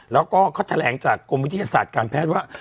แล้วก็เขาแถลงจากกรมวิทยาศาสตร์การแพทย์ว่า